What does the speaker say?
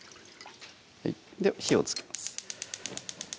火をつけます